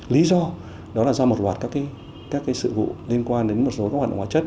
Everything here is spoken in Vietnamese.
lý do đó là do một loạt các sự vụ liên quan đến một số các hoạt động hóa chất